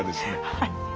はい。